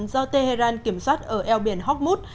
do tehran kiểm soát ở eo biển horkmut